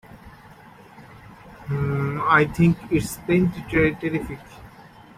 I think it's plenty terrific!